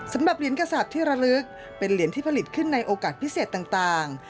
สำหรับเหรียญกษัตริย์ที่ระลึกเป็นเหรียญที่ผลิตขึ้นในโอกาสพิเศษต่าง